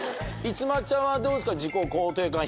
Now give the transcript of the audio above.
いつまちゃんはどうですか？